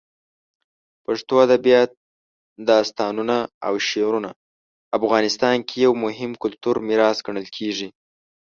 پښتو ادبیات، داستانونه، او شعرونه افغانستان کې یو مهم کلتوري میراث ګڼل کېږي.